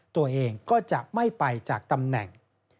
ตัวเองก็จะไม่ไปจากตำแหน่ง